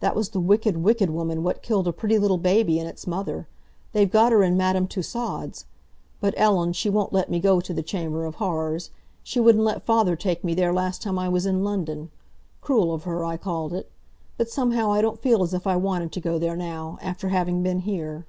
"That was the wicked, wicked woman what killed a pretty little baby and its mother. They've got her in Madame Tussaud's. But Ellen, she won't let me go to the Chamber of Horrors. She wouldn't let father take me there last time I was in London. Cruel of her, I called it. But somehow I don't feel as if I wanted to go there now, after having been here!"